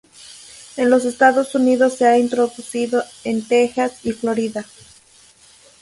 En los Estados Unidos se ha introducido en Texas y Florida.